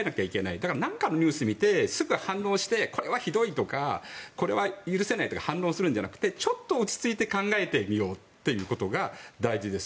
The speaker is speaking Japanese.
だから何かのニュースを見てすぐ反応してこれはひどいとかこれは許せないとか反論するんじゃなくてちょっと落ち着いて考えてみようということが大事です。